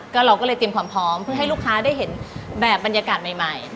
เราก็เลยเตรียมความพร้อมเพื่อให้ลูกค้าได้เห็นแบบบรรยากาศใหม่